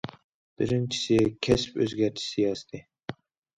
بىرىنچىسى، كەسىپ ئۆزگەرتىش سىياسىتى.